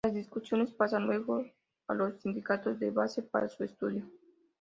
Las discusiones pasan luego a los sindicatos de base para su estudio.